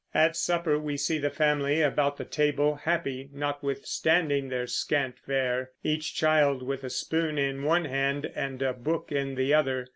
At supper we see the family about the table, happy notwithstanding their scant fare, each child with a spoon in one hand and a book in the other.